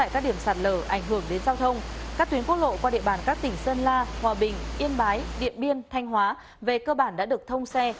các tuyến quốc lộ qua địa bàn các tỉnh sơn la hòa bình yên bái điện biên thanh hóa về cơ bản đã được thông xe